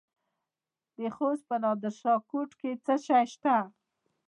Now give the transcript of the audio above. د خوست په نادر شاه کوټ کې څه شی شته؟